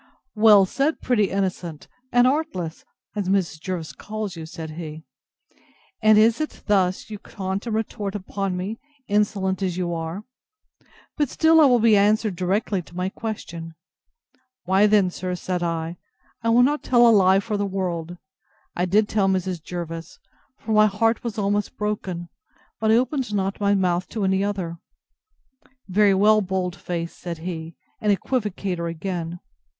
Well said, pretty innocent and artless! as Mrs. Jervis calls you, said he; and is it thus you taunt and retort upon me, insolent as you are! But still I will be answered directly to my question. Why then, sir, said I, I will not tell a lie for the world: I did tell Mrs. Jervis; for my heart was almost broken; but I opened not my mouth to any other. Very well, bold face, said he, and equivocator again!